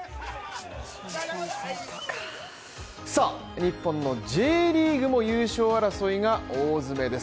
日本のＪリーグも優勝争いが大詰めです。